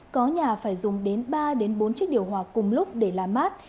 có nhà phải dùng đến ba bốn chiếc điều hòa cùng lúc để làm mát